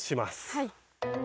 はい。